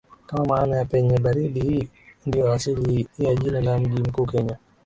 kwa maana ya penye baridi hii ndio asili ya jina la mji mkuu Kenya